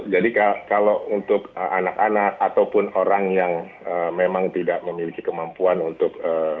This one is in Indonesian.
jadi kalau untuk anak anak ataupun orang yang memang tidak memiliki kemampuan untuk